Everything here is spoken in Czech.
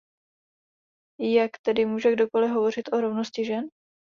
Jak tedy může kdokoli hovořit o rovnosti žen?